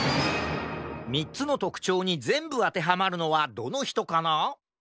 ３つのとくちょうにぜんぶあてはまるのはどのひとかな？